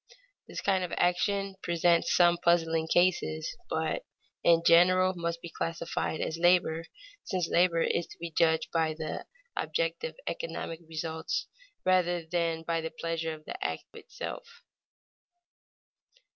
This kind of action presents some puzzling cases, but in general must be classed as labor, since labor is to be judged by the objective economic results rather than by the pleasure of the act itself.